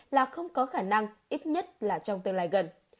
là không có khả năng ít nhất là trong tương lai gần